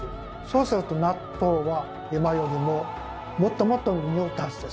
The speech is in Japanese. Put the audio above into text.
そうすると納豆は今よりももっともっと臭ったはずです。